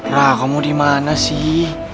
rara kamu dimana sih